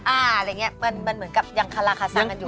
อะไรอย่างนี้มันเหมือนกับยังคาราคาซังกันอยู่